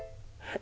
え。